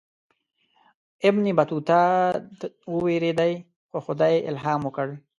ابن بطوطه ووېرېدی خو خدای الهام ورکړ.